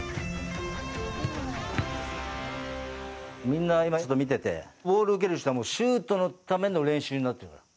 みんな、今ちょっと見てて、ボールを受ける人は、もうシュートのための練習になってるから。